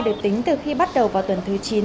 được tính từ khi bắt đầu vào tuần thứ chín